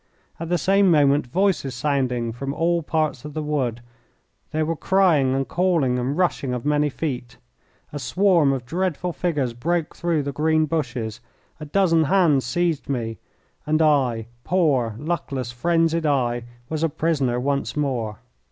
At the same moment voices sounded from all parts of the wood, there were crying and calling and rushing of many feet. A swarm of dreadful figures broke through the green bushes, a dozen hands seized me, and I, poor, luckless, frenzied I, was a prisoner once more.